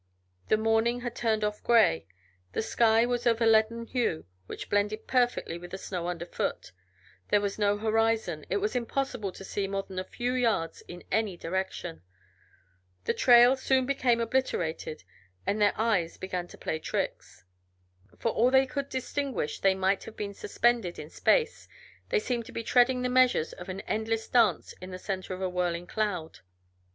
The morning had turned off gray, the sky was of a leaden hue which blended perfectly with the snow underfoot, there was no horizon, it was impossible to see more than a few yards in any direction. The trail soon became obliterated and their eyes began to play tricks. For all they could distinguish, they might have been suspended in space; they seemed to be treading the measures of an endless dance in the center of a whirling cloud.